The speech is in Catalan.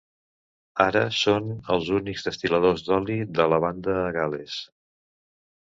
Ara són els únics destil·ladors d'oli de lavanda a Gal·les.